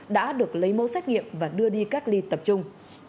đã được lấy mẫu xét nghiệm và đưa đi cách ly tập trung